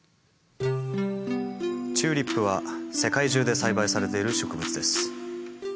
チューリップは世界中で栽培されている植物です。